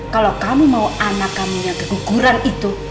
kalau kamu mau anak kami yang keguguran itu